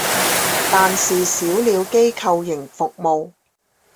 但是少了機構型服務